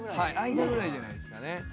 間ぐらいじゃないっすかね。